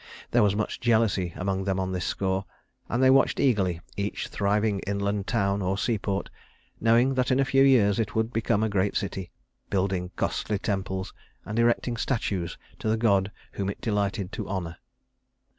There was much jealousy among them on this score, and they watched eagerly each thriving inland town or seaport, knowing that in a few years it would become a great city, building costly temples and erecting statues to the god whom it delighted to honor.